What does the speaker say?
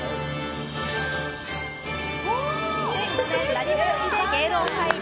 ２００５年鳴り物入りで芸能界入り。